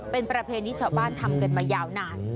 เป็นประเพณีชาวบ้านทำกันมายาวนาน